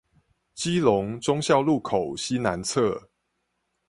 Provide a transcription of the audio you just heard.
基隆忠孝路口西南側